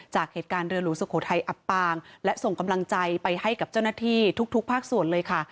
จากเหตุการณ์เรือหลวงสุโขทัยอับปางและส่งกำลังใจไปให้กับเจ้าหน้าที่ทุกภาคส่วนเลยค่ะ